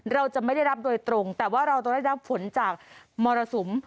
เราจะไม่ได้รับโดยตรงแต่ว่าเราจะได้รับฝนจากมรสุม